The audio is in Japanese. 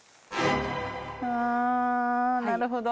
あなるほど。